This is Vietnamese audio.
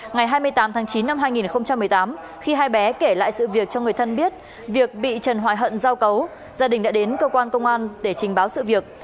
ngày hai mươi tám tháng chín năm hai nghìn một mươi tám khi hai bé kể lại sự việc cho người thân biết việc bị trần hoài hận giao cấu gia đình đã đến cơ quan công an để trình báo sự việc